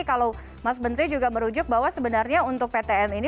kalau mas menteri juga merujuk bahwa sebenarnya untuk ptm ini